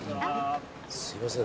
すみません